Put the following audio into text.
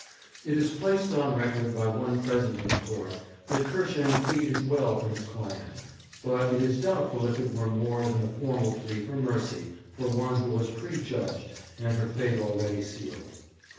It is placed on record by one present in court that Kirschen pleaded well for his client, but it is doubtful if it were more than a formal plea for mercy for one who was prejudged and her fate already sealed.